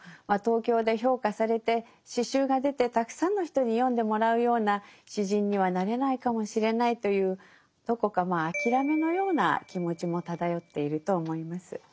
まあ東京で評価されて詩集が出てたくさんの人に読んでもらうような詩人にはなれないかもしれないというどこかあきらめのような気持ちも漂っていると思います。